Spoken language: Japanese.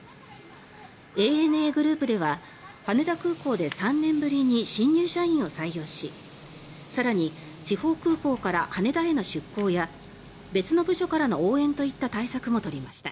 ＡＮＡグループでは羽田空港で３年ぶりに新入社員を採用し更に地方空港から羽田への出向や別の部署からの応援といった対策も取りました。